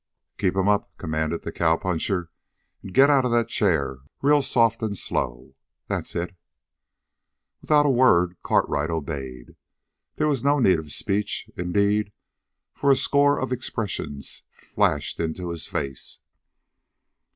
"Keep 'em up!" commanded the cowpuncher, "and get out of that chair, real soft and slow. That's it!" Without a word Cartwright obeyed. There was no need of speech, indeed, for a score of expressions flashed into his face.